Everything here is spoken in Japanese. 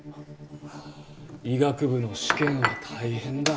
医学部の試験は大変だ。